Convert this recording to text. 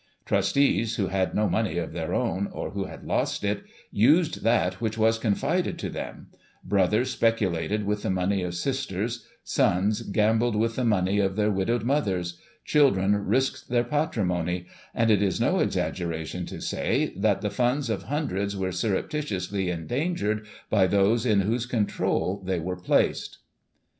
Trustees, who had no money of their own, or who had lost it, used that which was confided to them; brothers speculated with the money of sisters; sons gambled with the money of their widowed mothers ; children risked their patrimony ; and it is no exaggeration to say, that the funds of hundreds were surreptitiously endangered by those in whose control they were placed."